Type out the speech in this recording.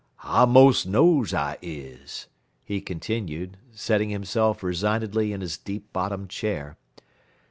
"I mos' knows I is," he continued, setting himself resignedly in his deep bottomed chair.